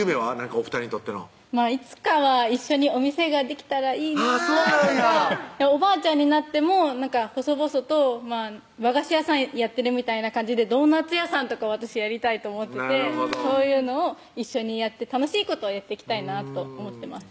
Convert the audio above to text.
お２人にとってのいつかは一緒にお店ができたらいいなおばあちゃんになってもほそぼそと和菓子屋さんやってるみたいな感じでドーナツ屋さんとか私やりたいと思っててそういうのを一緒にやって楽しいことをやっていきたいなと思ってます